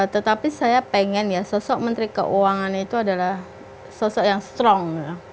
tetapi saya pengen ya sosok menteri keuangan itu adalah sosok yang strong